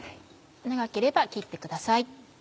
長ければ切ってください。